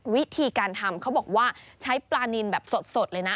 วิธีการทำเขาบอกว่าใช้ปลานินแบบสดเลยนะ